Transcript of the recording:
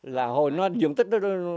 là hồi nó dưỡng tích